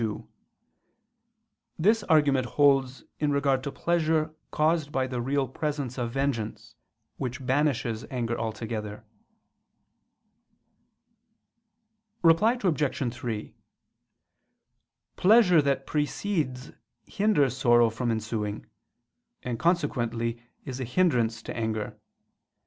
2: This argument holds in regard to pleasure caused by the real presence of vengeance, which banishes anger altogether. Reply Obj. 3: Pleasure that precedes hinders sorrow from ensuing, and consequently is a hindrance to anger.